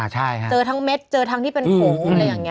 เจอทั้งเม็ดเจอทั้งที่เป็นโขง